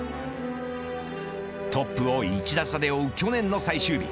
トップを１打差で追う去年の最終日。